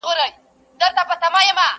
دا کمال دي د یوه جنګي نظر دی.